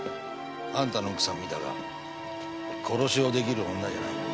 あんたの奥さんを見たが殺しを出来る女じゃない。